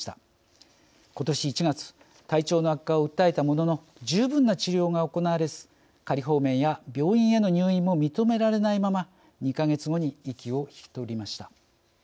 ことし１月体調の悪化を訴えたものの十分な治療が行われず仮放免や病院への入院も認められないまま２か月後に息を引き取りました。